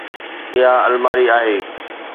اها الماري آهي